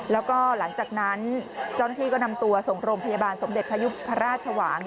แล้วก็หลังจากนั้นเจ้าหน้าที่ก็นำตัวส่งโรงพยาบาลสมเด็จพยุพราชชวาง